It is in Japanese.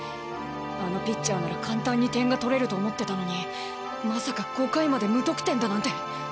あのピッチャーなら簡単に点が取れると思ってたのにまさか５回まで無得点だなんて。